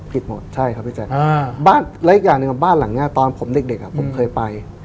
ผิดหมดใช่ครับพี่แจ๊คและอีกอย่างหนึ่งบ้านหลังนี้ตอนผมเด็กผมเคยไป